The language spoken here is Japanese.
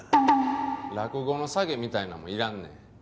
落語の下げみたいなんもんいらんねん。